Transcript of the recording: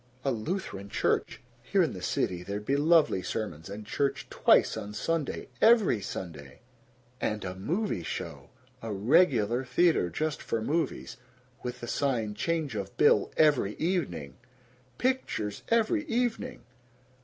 A Lutheran Church. Here in the city there'd be lovely sermons, and church twice on Sunday, EVERY Sunday! And a movie show! A regular theater, just for movies. With the sign "Change of bill every evening." Pictures every evening!